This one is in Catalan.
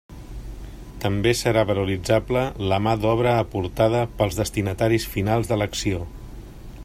També serà valoritzable la mà d'obra aportada pels destinataris finals de l'acció.